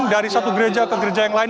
dari satu gereja ke gereja yang lain